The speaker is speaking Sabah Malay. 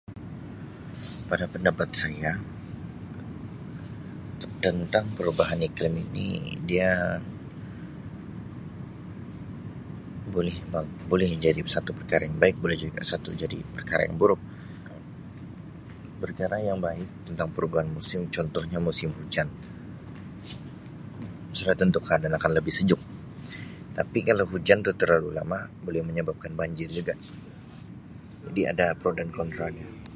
Pada pendapat saya tentang perubahan iklim ini dia boleh meng-boleh menjadi suatu perkara yang baik, boleh juga satu jadi perkara yang buruk, perkara yang baik tentang perubahan musim contohnya musim hujan, sudah tentu keadaan akan lebih jadi sejuk tapi kalau hujan tu terlalu lama boleh menyebabkan banjir juga. Jadi ada pro dan kontra dia.